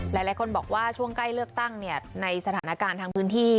หลายคนบอกว่าช่วงใกล้เลือกตั้งในสถานการณ์ทางพื้นที่